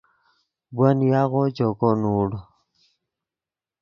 ون یاغو چوکو نوڑ